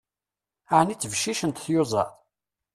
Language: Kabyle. Ɛni ttbeccicent tyuzaḍ?